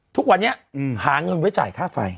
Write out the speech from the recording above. ทุกวันนี้หาเงินไว้จ่ายค่าไฟ